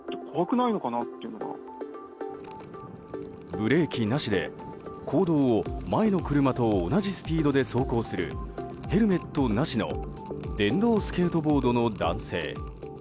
ブレーキなしで公道を前の車と同じスピードで走行するヘルメットなしの電動スケートボードの男性。